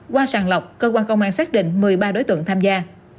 qua sàng lọc cơ quan công an xác định một mươi ba đối tượng tham gia